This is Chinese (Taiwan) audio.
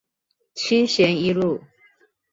七賢一路